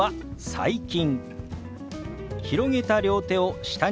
「最近」。